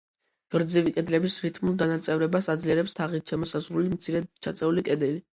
გრძივი კედლების რითმულ დანაწევრებას აძლიერებს თაღით შემოსაზღვრული მცირედ ჩაწეული კედელი.